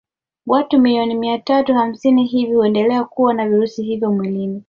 Watu milioni mia tatu hamsini hivi huendelea kuwa na virusi hivyo mwilini